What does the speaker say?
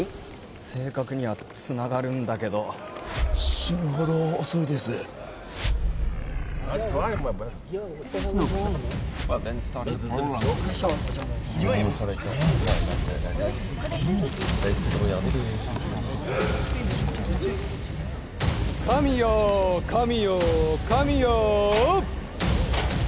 正確にはつながるんだけど死ぬほど遅いです神よ神よ神よ